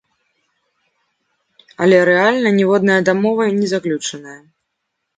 Але рэальна ніводная дамова не заключаная.